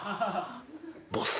ボス。